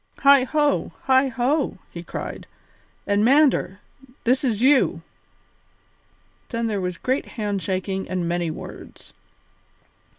"Heigho, heigho!" he cried, "and Mander, this is you!" Then there was great hand shaking and many words.